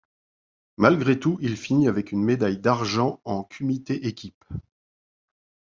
Malgré tout, il finit avec une médaille d'Argent en kumité équipe.